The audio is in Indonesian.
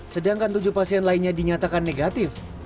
sedangkan tujuh pasien lainnya dinyatakan negatif